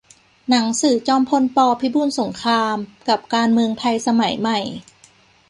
หนังสือ จอมพล ป. พิบูลสงคราม กับการเมืองไทยสมัยใหม่